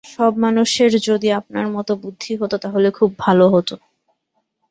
সব মানুষের যদি আপনার মতো বুদ্ধি হত, তাহলে খুব ভালো হত।